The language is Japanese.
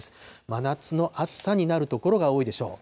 真夏の暑さになる所が多いでしょう。